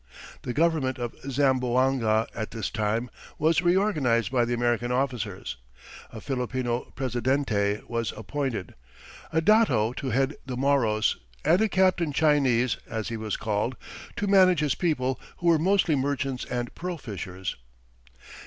The government of Zamboanga at this time was reorganized by the American officers. A Filipino presidente was appointed, a dato to head the Moros, and a Captain Chinese, as he was called, to manage his people, who were mostly merchants and pearl fishers.